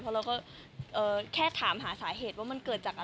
เพราะเราก็แค่ถามหาสาเหตุว่ามันเกิดจากอะไร